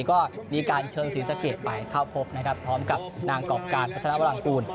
ก็มีการเชิญศือสเกตไปเข้าพบพร้อมกับนางกรอบการประศนาวรังกูล